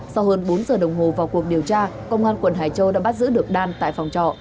sau hơn bốn giờ đồng hồ vào cuộc điều tra công an quận hải châu đã bắt giữ được đan tại phòng trọ